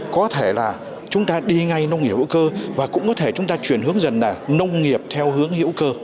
có thể là chúng ta đi ngay nông nghiệp hữu cơ và cũng có thể chúng ta chuyển hướng dần là nông nghiệp theo hướng hữu cơ